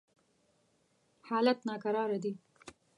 حالات ناکراره دي.